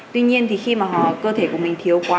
tuy nhiên thì khi mà cơ thể của mình thiếu quá